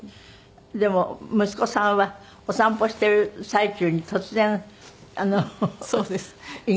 でも息子さんはお散歩してる最中に突然あの意外な行動を？